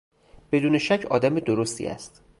بدون شک آدم درستی است.